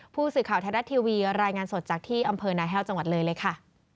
ผู้สื่อข่าวไทยรัฐทีวีรายงานสดจากที่อำเภอนาแห้วจังหวัดเลยเลยค่ะ